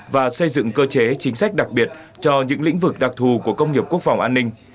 và xây dựng cơ chế chính sách đặc biệt cho những lĩnh vực đặc thù của công nghiệp quốc phòng an ninh